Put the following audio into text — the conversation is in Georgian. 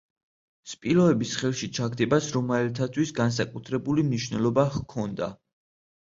სპილოების ხელში ჩაგდებას რომაელთათვის განსაკუთრებული მნიშვნელობა ჰქონდა.